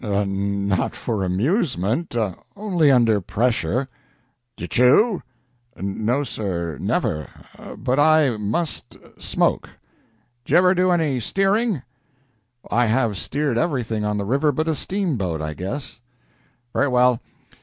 "N not for amusement; only under pressure." "Do you chew?" "No, sir, never; but I must smoke." "Did you ever do any steering?" "I have steered everything on the river but a steamboat, I guess." "Very well.